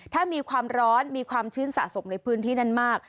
ถ้ามีความร้อนมีความชื้นสะสมในพื้นที่นั้นมาก